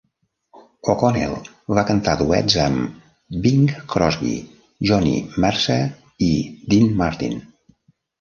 O'Connell va cantar duets amb Bing Crosby, Johnny Mercer i Dean Martin.